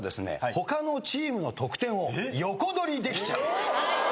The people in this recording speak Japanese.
他のチームの得点を横取りできちゃう。